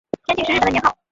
天庆是日本的年号。